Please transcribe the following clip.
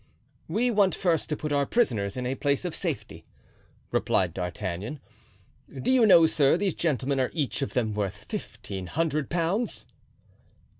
"We want first to put our prisoners in a place of safety," replied D'Artagnan. "Do you know, sir, these gentlemen are each of them worth fifteen hundred pounds?"